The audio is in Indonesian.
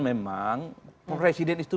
memang presiden itu